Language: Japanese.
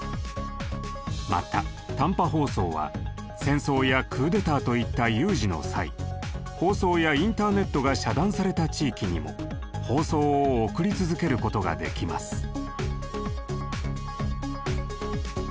また短波放送は戦争やクーデターといった有事の際放送やインターネットが遮断された地域にも放送を送り続けることができます。